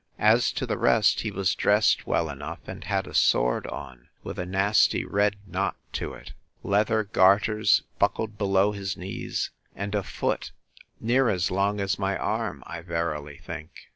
As to the rest, he was dressed well enough, and had a sword on, with a nasty red knot to it; leather garters, buckled below his knees; and a foot—near as long as my arm, I verily think.